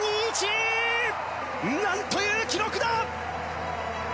なんという記録だ！